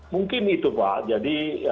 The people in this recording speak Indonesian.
mungkin itu pak jadi